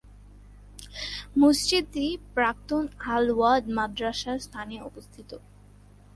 মসজিদটি প্রাক্তন আল-ওয়াদ মাদ্রাসার স্থানে অবস্থিত।